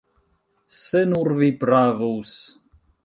Se nur vi pravus!